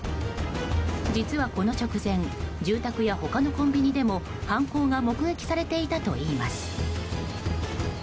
実は、この直前住宅や他のコンビニでも犯行が目撃されていたといいます。